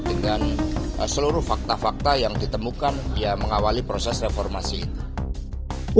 dengan seluruh fakta fakta yang ditemukan mengawali proses reformasi itu